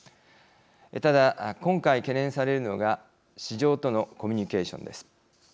ただ今回懸念されるのが市場とのコミュニケーションです。